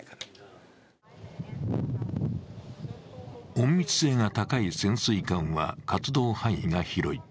隠密性が高い潜水艦は活動範囲が広い。